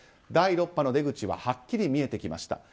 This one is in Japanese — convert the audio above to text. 第６波の出口ははっきり見えてきました。